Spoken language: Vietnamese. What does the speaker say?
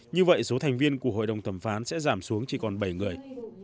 như vậy số thành viên của hội đồng thẩm phán sẽ giảm xuống chỉ còn bảy người